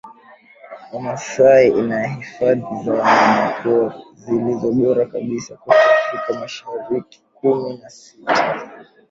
Wamasai ina Hifadhi za Wanyamapori zilizo bora kabisa kote Afrika Masharikikumi na sita